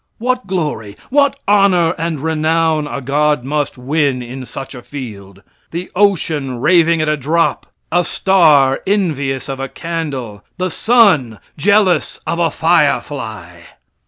What glory, what honor and renown a God must win in such a field! The ocean raving at a drop; a star envious of a candle; the sun jealous of a firefly!